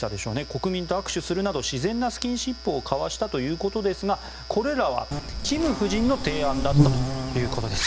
国民と握手するなど自然なスキンシップを交わしたということですがこれらは、キム夫人の提案だったということです。